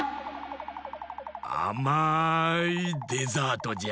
あまいデザートじゃ！